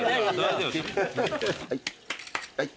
はい。